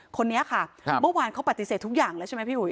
คนนี้ค่ะเมื่อวานเขาปฏิเสธทุกอย่างแล้วใช่ไหมพี่อุ๋